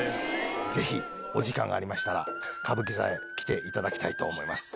お時間がありましたら歌舞伎座へ来ていただきたいと思います。